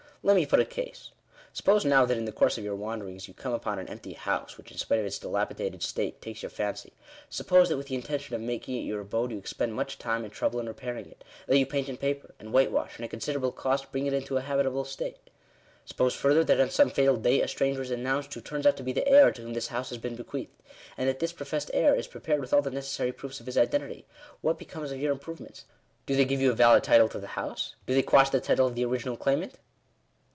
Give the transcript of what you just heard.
Let me put a case. Suppose now that in the course of your wanderings you come upon an empty house, which in spite of its dilapidated state takes your fancy ; suppose that with the intention of making it your abode you expend much time and trouble in repairing it — that you paint and paper, and whitewash, and at considerable cost bring it into a habitable state. Suppose further, that on some fatal day a stranger is announced, who turns out to be the heir to whom this house has been bequeathed ; and that this professed heir is prepared with all the necessary proofs of his identity : what becomes of your improvements? Do they give you a valid title to the house ? Do they quash the title of the ori ginal claimant?"